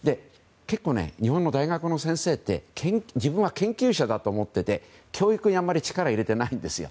結構、日本の大学の先生って自分は研究者だと思っていて教育にあまり力を入れていないんですよ。